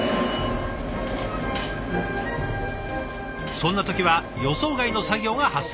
そんな時は予想外の作業が発生します。